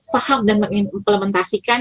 faham dan mengimplementasikan